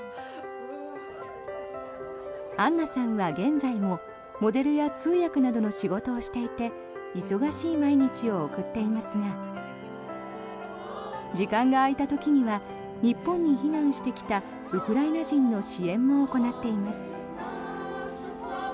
アンナさんは現在もモデルや通訳などの仕事をしていて忙しい毎日を送っていますが時間が空いた時には日本に避難してきたウクライナ人の支援も行っています。